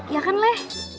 ya kan le